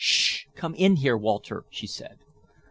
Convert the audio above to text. "Shh, come in here, Walter," she said.